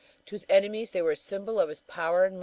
To his enemies they were a symbol of his power and might.